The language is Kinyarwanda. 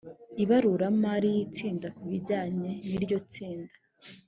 ibaruramari y itsinda ku bijyanye n iryo tsinda